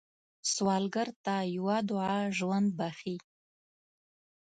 سوالګر ته یوه دعا ژوند بښي